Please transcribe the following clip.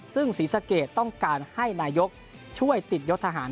ซึ่งศรีสะเกดต้องการให้นายกช่วยติดยศทหาร